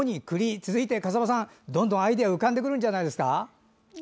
続いて風間さんどんどんアイデア浮かんでくるんじゃないですか？